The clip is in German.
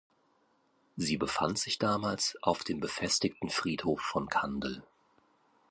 Sie befand sich damals auf dem befestigten Friedhof von Kandel.